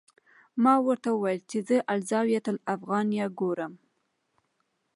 ما ورته وویل چې زه الزاویة الافغانیه ګورم.